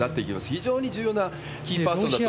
非常に重要なキーパーソンだと思いますよね。